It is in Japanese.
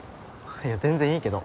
いや全然いいけど。